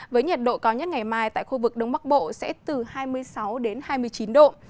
với nhiệt độ cao nhất ngày mai tại khu vực đông bắc bộ sẽ từ hai mươi sáu đến hai mươi chín độ